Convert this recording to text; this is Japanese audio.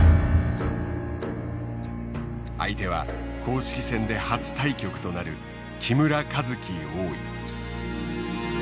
相手は公式戦で初対局となる木村一基王位。